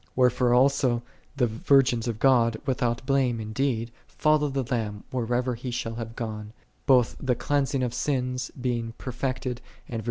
10 49. Wherefore also the virgins of God : without blame indeed, "follow the Lamb 'whithersoever He shall' have gone," both the | cleansing of sins being perfected, and vir